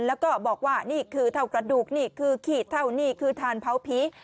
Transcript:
แล้วก็บอกว่านี่คือเท่ากระดูกนี่คือขีดเท่านี่คือทานเผาผี